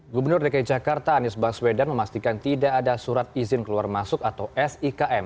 gubernur dki jakarta anies baswedan memastikan tidak ada surat izin keluar masuk atau sikm